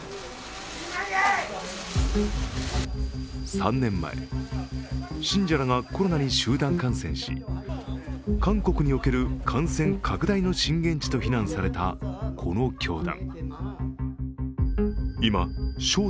３年前、信者らがコロナに集団感染し韓国における感染拡大の震源地とされたこの教団。